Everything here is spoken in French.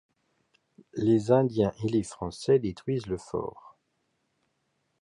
Les Indiens et les Français détruisent le fort.